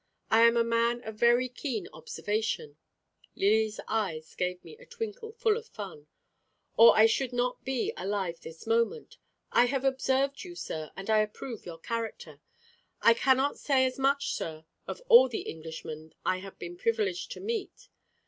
I am a man of very keen observation" Lily's eyes gave me a twinkle full of fun "or I should not be alive this moment. I have observed you, sir, and I approve your character. I cannot say as much, sir, of all the Englishmen I have been privileged to meet.